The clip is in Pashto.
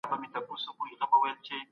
لوستونکی روڼ نظر غواړي.